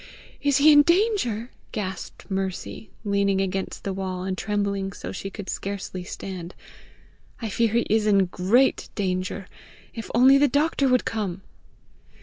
"Is he in danger?" gasped Mercy, leaning against the wall, and trembling so she could scarcely stand. "I fear he is in GREAT danger. If only the doctor would come!"